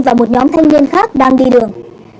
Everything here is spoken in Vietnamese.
vào một nhóm thanh niên khác đang đi đường